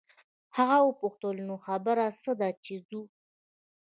هغې وپوښتل نو خبره څه ده چې ځو.